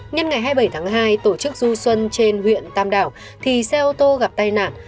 nhân ngày hai mươi bảy tháng hai tổ chức du xuân trên huyện tam đảo thì xe ô tô gặp tai nạn